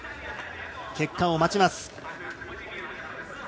結果を待ちます。